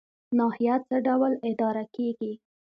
ناحیه څه ډول اداره کیږي؟